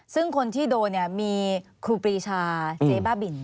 ซึ่งคนที่โดนเนี่ยมีครูปรีชาเจ๊บ้าบิน